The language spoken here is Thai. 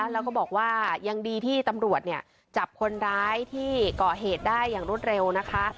แล้วก็บอกว่ายังดีที่ตำรวจจับคนร้ายที่ก่อเหตุได้อย่างรวดเร็วนะคะ